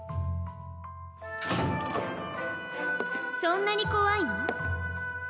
そんなに怖いの？